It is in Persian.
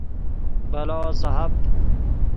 بلاصاحب